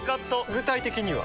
具体的には？